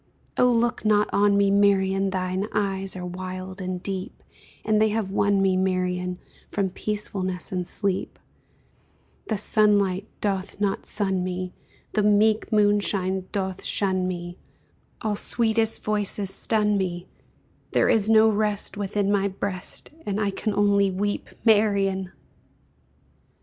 Oh look not on me, Marian, Thine eyes are wild and deep, And they have won me, Marian, From peacefulness and sleep; The sunlight doth not sun me, The meek moonshine doth shun me, All sweetest voices stun me There is no rest Within my breast And I can only weep, Marian!